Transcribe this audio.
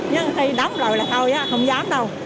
nhưng mà khi đóng rồi là thôi không dám đâu